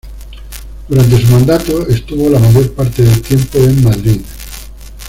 Durante su mandato estuvo la mayor parte del tiempo en Madrid.